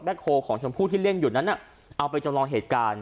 แบ็คโฮลของชมภูติที่เล่นอยู่นะฮะเอาไปจำรองเหตุการณ์